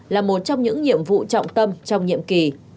là một trong những nhiệm vụ trọng tâm trong nhiệm kỳ